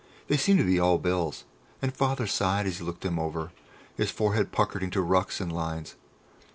They seemed to be all bills, and Father sighed as he looked them over, his forehead puckered into rucks and lines.